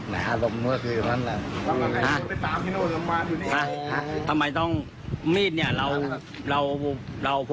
แล้วลูกทำไมต้องพกมีดครับ